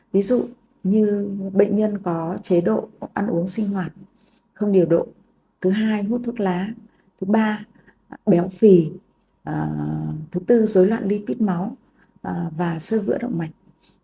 ví dụ như bệnh nhân có chế độ ăn uống sinh hoạt không điều độ thứ hai hút thuốc lá thứ ba béo phì thứ tư dối loạn lipid máu và sơ vữa động mạch